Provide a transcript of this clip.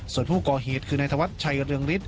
ส่วนผู้ก่อเหตุคือนายธวัชชัยเรืองฤทธ